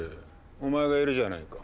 お前がいるじゃないか。